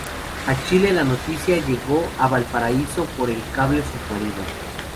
A Chile la noticia llegó a Valparaíso por el cable submarino.